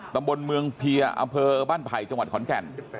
ตำบลเมืองเพียร์อำเภอบ้านไผ่จังหวัดขอนแก่น